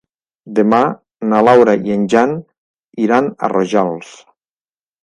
Demà na Laura i en Jan iran a Rojals.